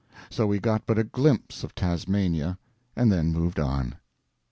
So we got but a glimpse of Tasmania, and then moved on.